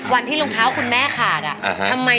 วันที่รองเท้าคุณแม่ขาดอ่ะ